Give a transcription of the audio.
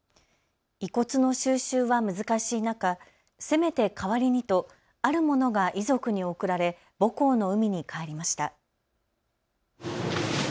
遺骨の収集は難しい中、せめて代わりにと、あるものが遺族に贈られ母港の海に帰りました。